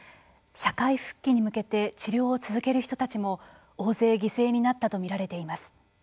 社会復帰に向けて治療を続ける人たちも大勢犠牲になったとみられています。